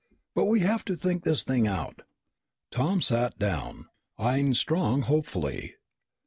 But we have to think this thing out." Tom sat down, eying Strong hopefully.